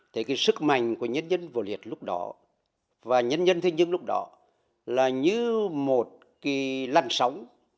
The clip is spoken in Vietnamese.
thế cái sức mạnh của nhân dân võ liệt lúc đó và nhân dân thanh trương lúc đó là như một cái lằn sóng